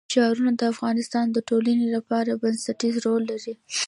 ښارونه د افغانستان د ټولنې لپاره بنسټيز رول لري.